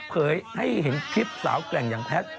ให้เห็นคลิปสาวแกร่งอย่างแพทย์